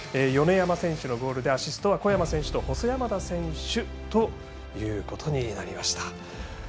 米山選手のゴールでアシストは小山選手と細山田選手ということになりました。